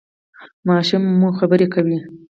ماشوم مو خبرې کوي؟